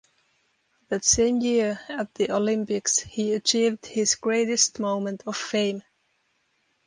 That same year, at the Olympics, he achieved his greatest moment of fame.